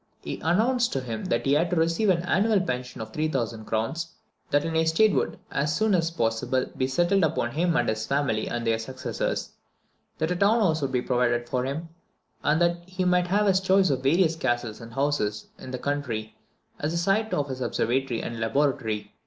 He announced to him that he was to receive an annual pension of 3000 crowns; that an estate would as soon as possible be settled upon him and his family and their successors; that a town house would be provided for him; and that he might have his choice of various castles and houses in the country as the site of his observatory and laboratory.